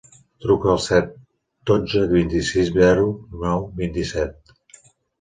Truca al set, dotze, vint-i-sis, zero, nou, vint-i-set.